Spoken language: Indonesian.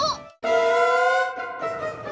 sama ongkir aja